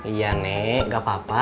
iya nek gak apa apa